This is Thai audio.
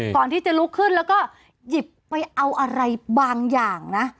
ก่อนที่จะลุกขึ้นแล้วก็หยิบไปเอาอะไรบางอย่างนะ